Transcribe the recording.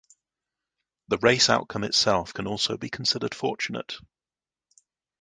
The race outcome itself can also be considered fortunate.